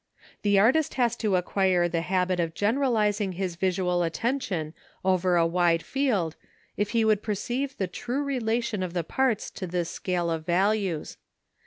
The artist has to acquire the habit of generalising his visual attention over a wide field if he would perceive the true relation of the parts to this scale of values.